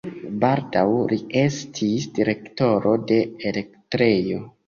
Baldaŭ li estis direktoro de elektrejo.